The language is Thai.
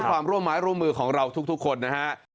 ความร่วมไม้ร่วมมือของเราทุกคนนะฮะ